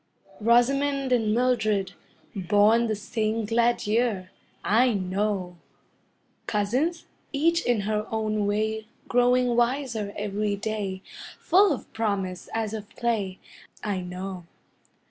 Rosamond and Mildred, born the same glad year I know! Cousins; each in her own way Growing wiser every day, Full of promise as of play I know!